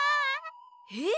えっ？